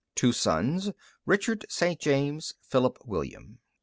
2 sons, Richard St. James, Philip William.